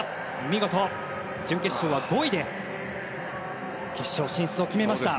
見事、準決勝は５位で決勝進出を決めました。